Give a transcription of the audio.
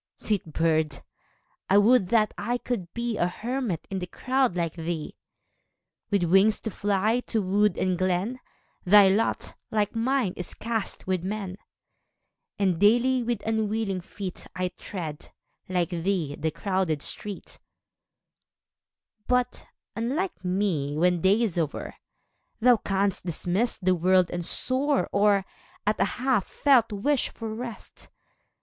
a (89) Sweet bird ! I would that I could be A hermit in the crowd like thee ! With wings to fly to wood and glen, Thy lot, like mine, is .cast with men; And daily, with unwilling feet, 1 tread, like thee, the crowded street ; But, unlike me, when day is o'er. Thou canst dismiss the world and soar, Or, at a half felt wish for rest.